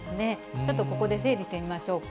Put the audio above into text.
ちょっとここで整理してみましょうか。